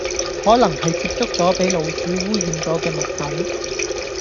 可能係接觸左俾老鼠污染左既物品